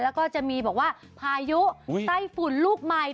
แล้วก็จะมีบอกว่าพายุไต้ฝุ่นลูกใหม่